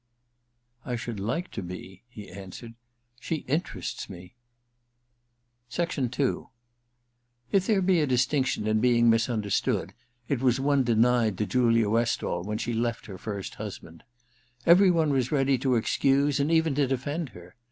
*I should like to be,' he answered. 'She interests me.' II If there be a distinction in being misunderstood, it was one denied to Julia Westall when she left her first husband. Every one was ready to excuse and even to defend her.